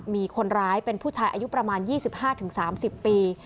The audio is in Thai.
มีคนร้ายเป็นผู้ชายอายุประมาณ๒๕๓๐ปี